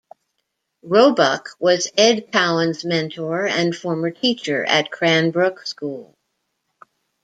Roebuck was Ed Cowan's mentor and former teacher at Cranbrook School.